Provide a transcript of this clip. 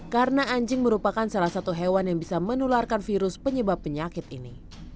karena anjing merupakan salah satu hewan yang bisa menularkan virus penyebab penyakit ini